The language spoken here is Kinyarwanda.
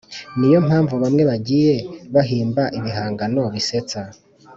ni yo mpamvu bamwe bagiye bahimba ibihangano bisetsa